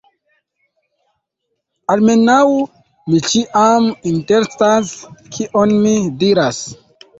Almenaŭ, mi ĉiam intencas kion mi diras.